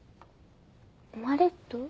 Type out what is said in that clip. マレット？